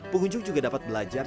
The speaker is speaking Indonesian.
pengunjung juga dapat belajar